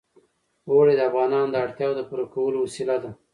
اوړي د افغانانو د اړتیاوو د پوره کولو وسیله ده.